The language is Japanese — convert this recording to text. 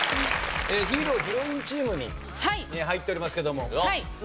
ヒーローヒロインチームに入っておりますけども。